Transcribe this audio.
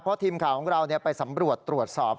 เพราะทีมข่าวของเราไปสำรวจตรวจสอบ